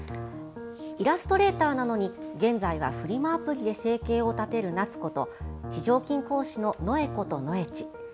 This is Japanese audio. イラストレーターなのに現在はフリマアプリで生計を立てる奈津子と非常勤講師の野枝ことノエチ。